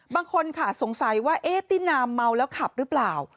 บางคนค่ะสงสัยว่าเอ๊ะตินามเมาแล้วขับหรือเปล่า